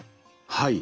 はい。